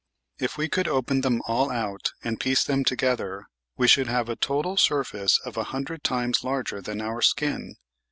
If we could open them all out and piece them together, we should have a total surface a hundred times larger than our skin.